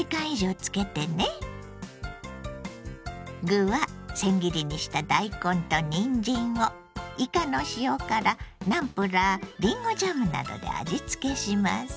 具はせん切りにした大根とにんじんをいかの塩辛ナムプラーりんごジャムなどで味付けします。